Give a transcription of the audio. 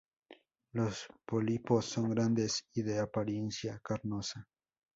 Los pólipos son grandes y de apariencia carnosa.